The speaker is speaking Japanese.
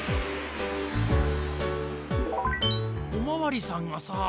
おまわりさんがさ。